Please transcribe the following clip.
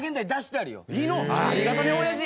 ありがとねおやじ！